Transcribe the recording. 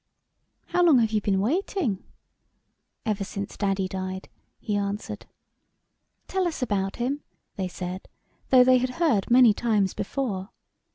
"How long have you been waiting?" " Ever since Daddy died," he answered. " Tell us about him," they said, though they had heard many times before.